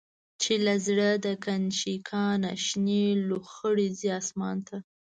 چی له زړه د”کنشکا”نه، شنی لو خړی ځی آسمان ته